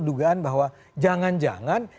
dugaan bahwa jangan jangan